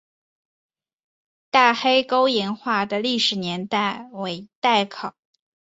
大黑沟岩画的历史年代为待考。